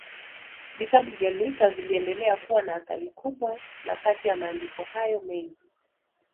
Vitabu vya Luther viliendelea kuwa na athari kubwa na Kati ya maandiko hayo mengi